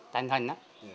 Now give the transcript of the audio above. tành hình á